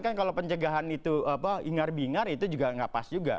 kan kalau pencegahan itu ingar bingar itu juga nggak pas juga